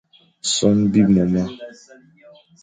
Son bibmuma.